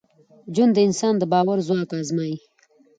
ژوند د انسان د باور ځواک ازمېيي.